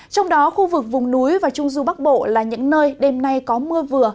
trong đó khu vực vùng núi và trung du bắc bộ là những nơi đêm nay có mưa vừa